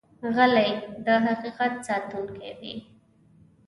غلی، د حقیقت ساتونکی وي.